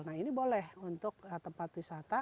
nah ini boleh untuk tempat wisata